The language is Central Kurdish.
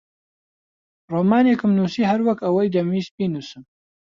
ڕۆمانێکم نووسی هەر وەک ئەوەی دەمویست بینووسم.